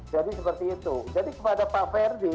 jadi seperti itu jadi kepada pak verdi